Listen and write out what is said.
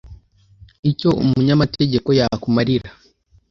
icyo umunyamategeko yakumarira :